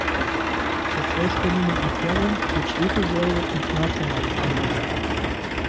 Zur vollständigen Entfärbung wird Schwefelsäure und Natronlauge verwendet.